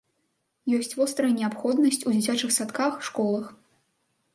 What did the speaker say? Ёсць вострая неабходнасць у дзіцячых садках, школах.